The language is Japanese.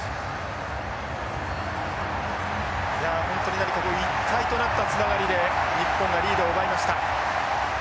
いや本当に何か一体となったつながりで日本がリードを奪いました。